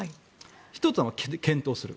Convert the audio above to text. １つは検討する。